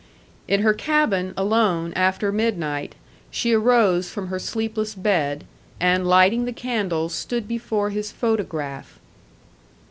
In her cabin, alone, after midnight, she arose from her sleepless bed, and lighting the candle, stood before his photograph.